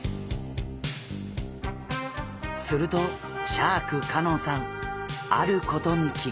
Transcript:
するとシャーク香音さんあることに気が付きました。